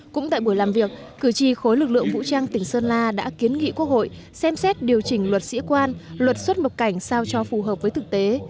cũng tại buổi làm việc cử tri khối lực lượng vũ trang tỉnh sơn la đã kiến nghị quốc hội xem xét điều chỉnh luật sĩ quan luật xuất nhập cảnh sao cho phù hợp với thực tế